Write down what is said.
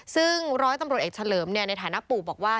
ซึ่งร้อยตำรวจเอกเฉลิมในฐานะปู่บอกว่า